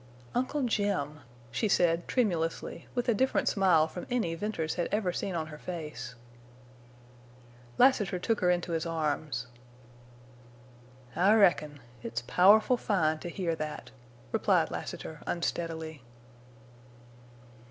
"Uncle Jim!" she said, tremulously, with a different smile from any Venters had ever seen on her face. Lassiter took her into his arms. "I reckon. It's powerful fine to hear that," replied Lassiter, unsteadily.